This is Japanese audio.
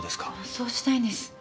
そうしたいんです。